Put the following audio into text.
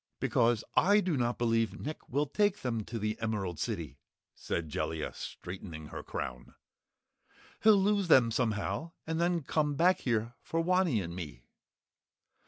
"Because I do not believe Nick will take them to the Emerald City," said Jellia, straightening her crown. "He'll lose them somehow and then come back here for Wanny and me."